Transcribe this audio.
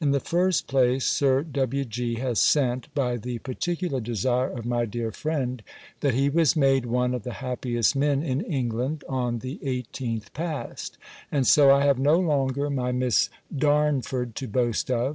In the first place, Sir W.G. has sent, by the particular desire of my dear friend, that he was made one of the happiest men in England, on the 18th past; and so I have no longer my Miss Darnford to boast of.